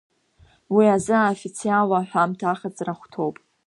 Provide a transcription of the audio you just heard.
Уи азы аофициалла аҳәамҭа аҟаҵара ахәҭоуп.